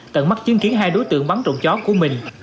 tận mắt chứng kiến hai đối tượng bắn trộm chó của mình